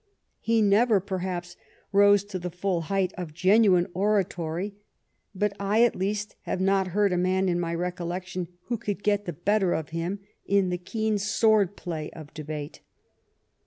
He never, perhaps, rose to the full height of genuine oratory, but I at least have not heard a man in my recollection who could get the better of him in the keen sword play of debate.